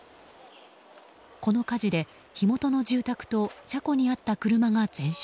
この火事で火元の住宅と車庫にあった車が全焼。